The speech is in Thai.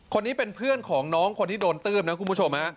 คนนี้เป็นเพื่อนของน้องคนที่โดนตื้มนะคุณผู้ชมฮะ